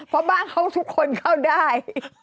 เพราะบ้านเขาทุกคนเข้าได้